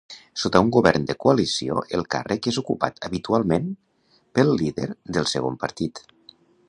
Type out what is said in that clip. Sota un govern de coalició el càrrec és ocupat habitualment pel líder del segon partit.